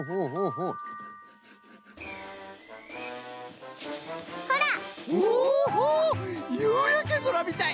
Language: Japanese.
ほうゆうやけぞらみたい！